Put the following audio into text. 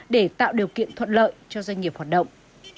để tạo điều kiện thuận lợi cho doanh nghiệp hoạt động